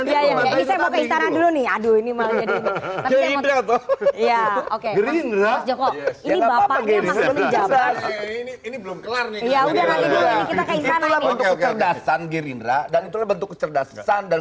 ini belum kelar ya udah kita ke istana bentuk kecerdasan girindra dan bentuk kecerdasan dan